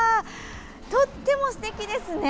とってもすてきですね。